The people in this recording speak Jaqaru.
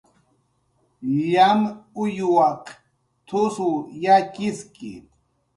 "Llamaq uyuwaq t""usw yatxiski"